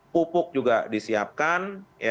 pupuk juga disiapkan